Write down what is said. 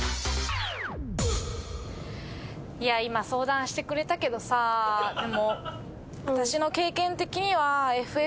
いや今相談してくれたけどさでも。